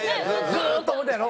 ずっと思ってんのやろ？